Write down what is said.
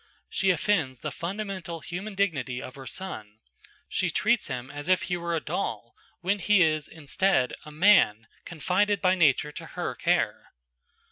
She offends the fundamental human dignity of her son,–she treats him as if he were a doll, when he is, instead, a man confided by nature to her care.